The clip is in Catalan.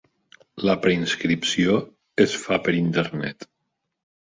La preinscripció es fa per internet.